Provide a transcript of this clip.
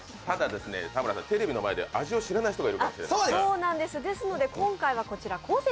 ただですね田村さんテレビの前で味を知らない人がいるかもしれないそうなんですですので今回はこちら昴